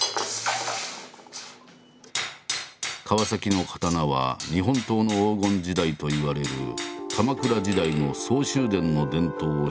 川の刀は日本刀の黄金時代といわれる鎌倉時代の相州伝の伝統を引き継いでいる。